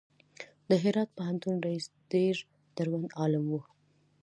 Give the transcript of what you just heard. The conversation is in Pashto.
د هرات پوهنتون رئیس ډېر دروند عالم و.